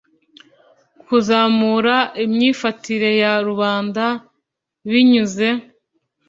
Kuzamura imyifatire ya rubanda binyuze